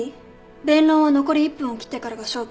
弁論は残り１分を切ってからが勝負